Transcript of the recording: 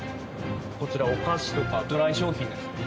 こちらお菓子とかドライ商品ですね。